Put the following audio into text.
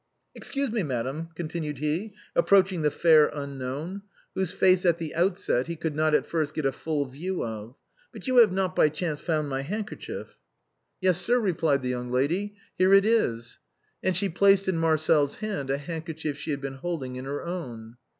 Ex cuse me, madame," continued he, approaching the fair unknown, whose face at the outset he could not at first get a full view of, " but you have not by chance found my handkerchief ?"" Yes, sir," replied the young laaj, " here it is." And she placed in Marcel's hand a handkerchief she had been holding in her own.